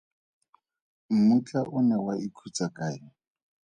Mmutla o ne wa ikhutsa kae?